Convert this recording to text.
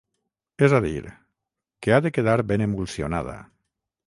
és a dir, que ha de quedar ben emulsionada